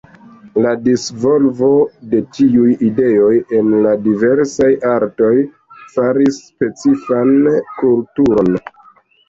La disvolvo de tiuj ideoj en la diversaj artoj faris specifan kulturon.